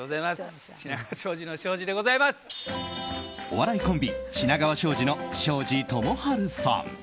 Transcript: お笑いコンビ品川庄司の庄司智春さん。